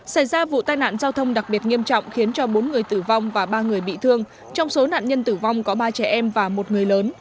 xảy ra vụ tai nạn giao thông đặc biệt nghiêm trọng khiến cho bốn người tử vong và ba người bị thương trong số nạn nhân tử vong có ba trẻ em và một người lớn